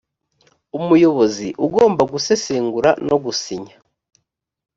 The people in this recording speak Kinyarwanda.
umuyobozi ugomba gusesengura no gusinya